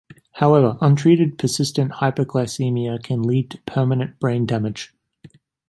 However, untreated persistent hypoglycemia can lead to permanent brain damage.